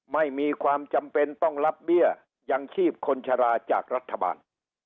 ไม่มีความจำเป็นต้องรับเบี้ยยังชีพคนชะลาจากรัฐบาล